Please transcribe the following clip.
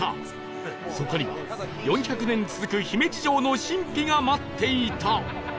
そこには４００年続く姫路城の神秘が待っていた